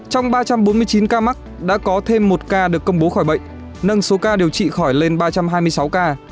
trong ba trăm bốn mươi chín ca mắc đã có thêm một ca được công bố khỏi bệnh nâng số ca điều trị khỏi lên ba trăm hai mươi sáu ca